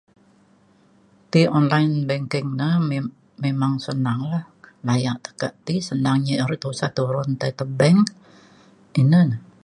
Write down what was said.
ti online banking na me- memang senang la laya tekak ti senang nyi are tusa turun tai ke bank ina na.